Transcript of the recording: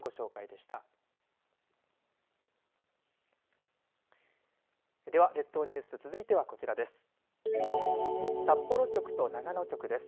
では、列島ニュース続いてはこちらです。